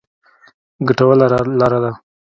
ګټوره لاره ده.